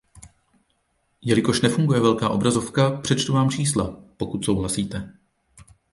Jelikož nefunguje velká obrazovka, přečtu vám čísla, pokud souhlasíte.